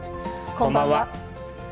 こんばんは。